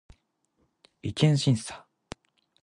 違憲審査